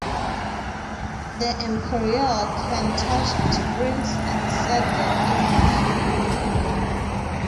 The emperor can touch the springs and set them in motion.